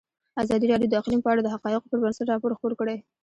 ازادي راډیو د اقلیم په اړه د حقایقو پر بنسټ راپور خپور کړی.